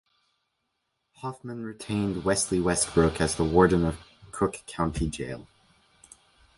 Hoffman retained Wesley Westbrook as the warden of Cook County Jail.